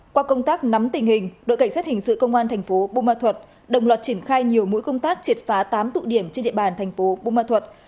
qua công tác nắm tình hình đội cảnh sát hình sự công an thành phố bù ma thuật đồng loạt triển khai nhiều mũi công tác triệt phá tám tụ điểm trên địa bàn thành phố bù ma thuật